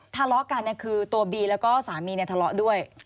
ทะเลาะกันคือตัวบีแล้วก็สามีเนี่ยทะเลาะด้วย